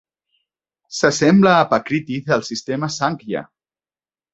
S'assembla a Pakriti del sistema Samkhya.